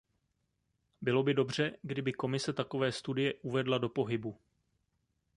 Bylo by dobře, kdyby Komise takové studie uvedla do pohybu.